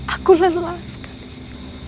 aku lelah sekali